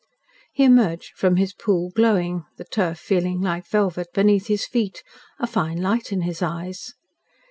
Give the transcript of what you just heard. He emerged from his pool glowing, the turf feeling like velvet beneath his feet, a fine light in his eyes.